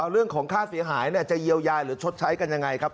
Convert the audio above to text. เรื่องของค่าเสียหายจะเยียวยาหรือชดใช้กันยังไงครับ